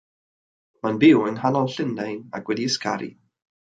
Mae'n byw yng nghanol Llundain ac wedi ysgaru.